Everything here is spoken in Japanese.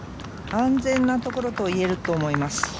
安全なところといえると思います。